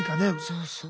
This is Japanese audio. そうそう。